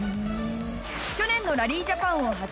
去年のラリージャパンを始め